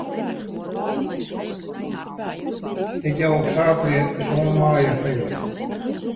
Ik jou op saterdei sân maaie in feest.